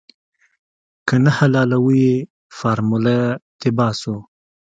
که نه حلالوو يې فارموله تې باسو.